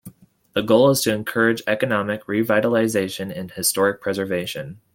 The goal is to encourage economic revitalization and historic preservation.